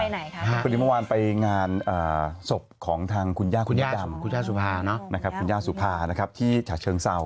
เมื่อวานไปงานศพของทางคุณย่าคุณมดำคุณย่าสุภานะครับที่ฉาเชิงเศร้า